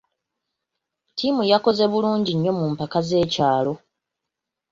Ttiimu yakoze bulungi nnyo mu mpaka z'ekyalo.